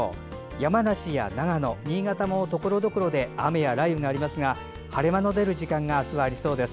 山梨や長野、新潟でもところどころで雨や雷雨がありますが晴れ間の出る時間があすはありそうです。